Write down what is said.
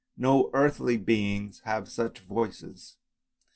No earthly beings have such lovely voices.